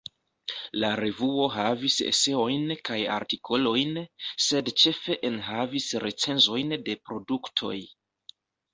La revuo havis eseojn kaj artikolojn, sed ĉefe enhavis recenzojn de produktoj.